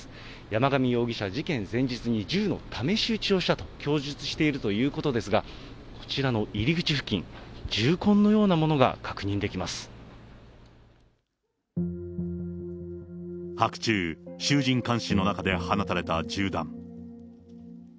山上容疑者、事件前日に銃の試し撃ちをしたと供述しているということですが、こちらの入り口付近、白昼、しゅうじん観衆の中で放たれた銃弾。